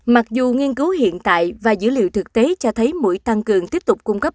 mặc dù nghiên cứu hiện tại và dữ liệu thực tế cho thấy mũi tăng cường tiếp tục cung cấp